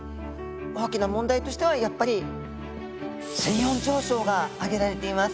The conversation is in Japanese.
大きな問題としてはやっぱり水温上昇が挙げられています。